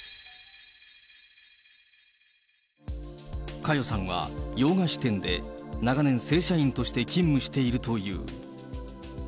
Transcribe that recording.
佳代さんは洋菓子店で長年正社員として勤務しているという。